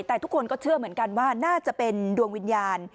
แต่ทุกคนก็เชื่อเหมือนกันว่าน่าจะเป็นดวงวิญญาณ